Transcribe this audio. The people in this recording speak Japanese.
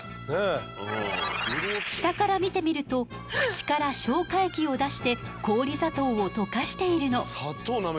下から見てみると口から消化液を出して氷砂糖を溶かしているの。